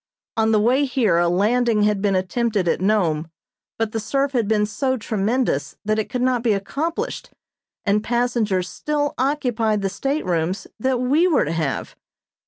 On the way here a landing had been attempted at Nome, but the surf had been so tremendous that it could not be accomplished, and passengers still occupied the staterooms that we were to have.